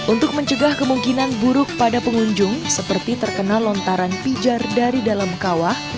untuk mencegah kemungkinan buruk pada pengunjung seperti terkena lontaran pijar dari dalam kawah